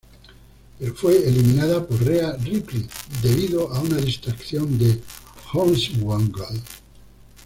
Pero fue eliminada por Rhea Ripley debido a una distracción de Hornswoggle.